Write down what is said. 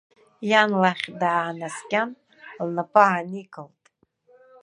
Иан лахь даанаскьан лнапы ааникылт.